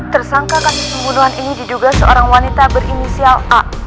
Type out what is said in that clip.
tersangka kasus pembunuhan ini diduga seorang wanita berinisial a